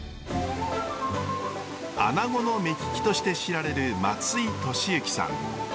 アナゴの目利きとして知られる松井利行さん。